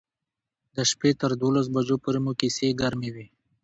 د شپې تر دولس بجو پورې مو کیسې ګرمې وې.